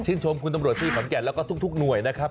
ชมคุณตำรวจที่ขอนแก่นแล้วก็ทุกหน่วยนะครับ